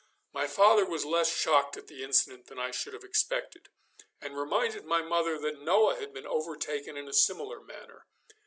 My father was less shocked at the incident than I should have expected, and reminded my mother that Noah had been overtaken in a similar manner.